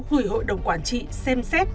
gửi hội đồng quản trị xem xét